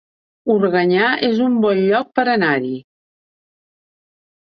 Organyà es un bon lloc per anar-hi